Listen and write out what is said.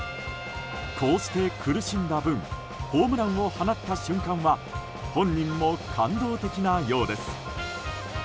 こうして苦しんだ分ホームランを放った瞬間は本人も感動的なようです。